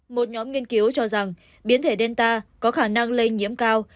một nhóm nghiên cứu cho rằng biến thể delta có khả năng lây nhiễm cao